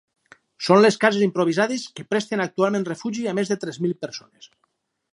Són les cases improvisades que presten actualment refugi a més de tres mil persones.